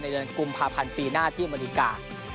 ในเดือนกลุ่มพาร์ทพันธ์ปีหน้าที่อมณิการ